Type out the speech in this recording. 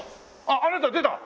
あっあなた出た？